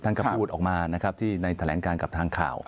ท่านก็พูดออกมานะครับที่ในแถลงการกับทางข่าว